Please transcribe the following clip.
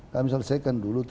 kami selesaikan dulu